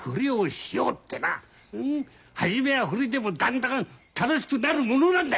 初めはふりでもだんだん楽しくなるものなんだ！